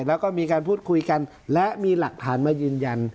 แล้วก็มีการพูดคุยกันและมีหลักฐานมายืนยัน